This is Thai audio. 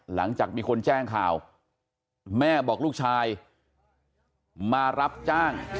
หลังจากมีคนแจ้งข่าวแม่บอกลูกชายมารับจ้าง